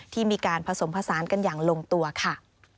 ที่มีการผสมผสานกันอย่างลงตัวค่ะ